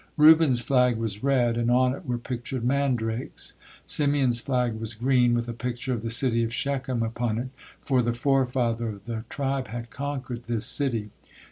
Reuben's flag was red, and on it were pictured mandrakes. Simeon's flag was green, with a picture of the city of Shechem upon it, for the forefather of the tribe had conquered this city.